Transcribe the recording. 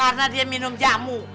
karena dia minum jamu